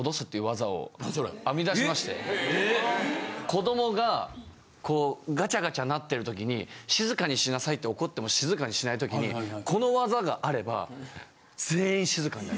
・子どもがこうガチャガチャなってる時に静かにしなさいって怒っても静かにしない時にこの技があれば。